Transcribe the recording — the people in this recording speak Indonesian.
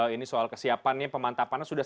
ini soal kesiapannya pemantapannya sudah